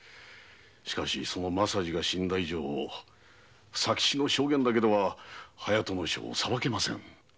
しかし政次が死んだ以上佐吉の証言だけでは隼人正を裁けませぬ。